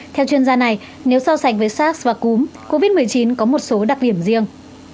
theo chuyên gia này nếu so sánh với sars và cúm covid một mươi chín có một số đặc điểm riêng